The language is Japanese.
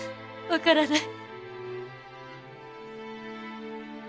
分からない。